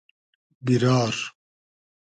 بیرار